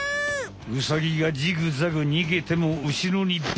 ウサギがジグザグ逃げてもうしろにビタリ！